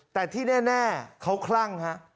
แต่ที่แน่เขาคลั่งฮะ